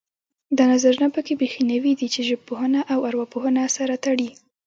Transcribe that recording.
دا نظرونه پکې بیخي نوي دي چې ژبپوهنه او ارواپوهنه سره تړي